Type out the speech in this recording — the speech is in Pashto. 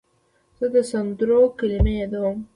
زه د سندرو کلمې یادوم.